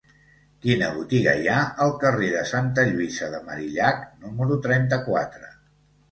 Quina botiga hi ha al carrer de Santa Lluïsa de Marillac número trenta-quatre?